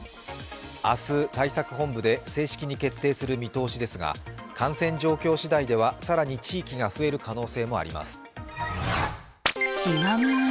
明日、対策本部で正式に決定する見通しですが感染状況次第では更に地域が増える可能性もあります。